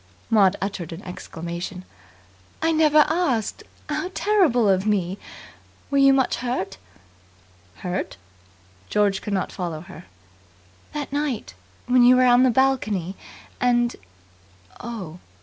Maud uttered an exclamation. "I never asked! How terrible of me. Were you much hurt?" "Hurt?" George could not follow her. "That night. When you were on the balcony, and " "Oh!"